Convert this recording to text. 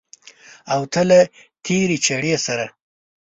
او ته له تېرې چړې سره